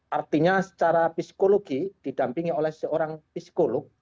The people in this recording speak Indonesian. artinya secara psikologi didampingi oleh seorang psikolog